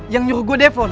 yang nyuruh gue depon